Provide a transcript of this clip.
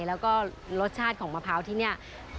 แล้วก็รสชาติของมะพร้าวที่นี่